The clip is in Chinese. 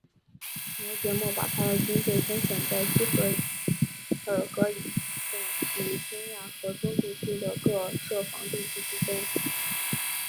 摩诃末把他的军队分散在锡尔河一线与中亚河中地区的各设防地区之间。